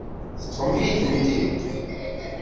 Teṭṭfem-iyi-tent-id.